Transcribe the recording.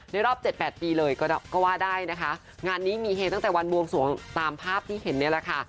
รอบเจ็ดแปดปีเลยก็ว่าได้นะคะงานนี้มีเฮตั้งแต่วันบวงสวงตามภาพที่เห็นเนี่ยแหละค่ะ